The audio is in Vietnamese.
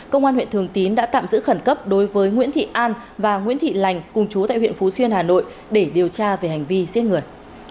công an huyện thường tín đã tạm giữ khẩn cấp đối với nguyễn thị an và nguyễn thị lành cùng chú tại huyện phú xuyên hà nội để điều tra về hành vi giết người